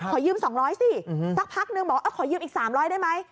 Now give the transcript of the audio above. ขอยืมสองร้อยสิสักพักนึงบอกขอยืมอีกสามร้อยได้ไหม